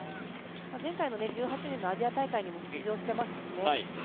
前回の１８年のアジア大会にも出場してますのでね。